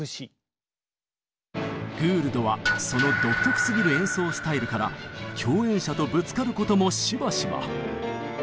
グールドはその独特すぎる演奏スタイルから共演者とぶつかることもしばしば。